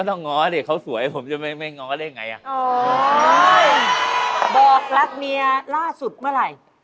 บอกรักเมียร่าสุดเมื่อไหร่